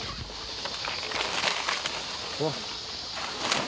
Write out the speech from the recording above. うわっ。